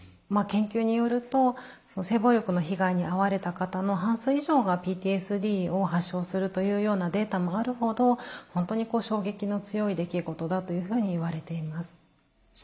研究によると性暴力の被害にあわれた方の半数以上がＰＴＳＤを発症するというようなデータもあるほど本当に衝撃の強い出来事だというふうにいわれています。